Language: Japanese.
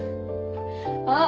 あっ。